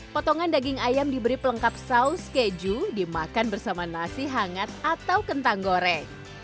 potongan daging ayam diberi pelengkap saus keju dimakan bersama nasi hangat atau kentang goreng